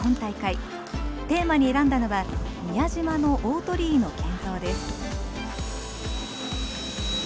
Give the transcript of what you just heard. テーマに選んだのは「宮島の大鳥居の建造」です。